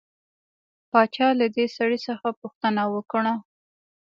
باچا له دې سړي څخه پوښتنه وکړه.